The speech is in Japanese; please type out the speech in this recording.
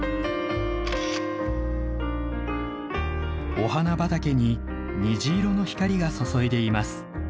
お花畑に虹色の光が注いでいます。